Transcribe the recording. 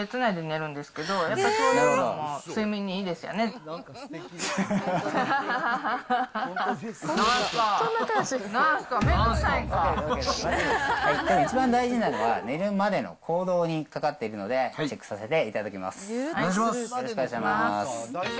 なんすか、一番大事なのは、寝るまでの行動にかかっているので、チェックさせていただきますお願いします。